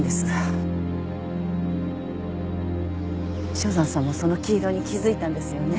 正山さんもその黄色に気付いたんですよね。